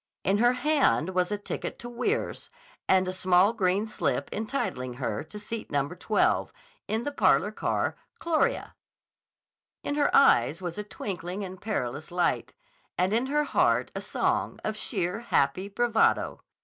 In her hand was a ticket to Weirs, and a small green slip entitling her to seat No. 12 in the parlor car "Chorea." In her eyes was a twinkling and perilous light, and in her heart a song of sheer, happy bravado.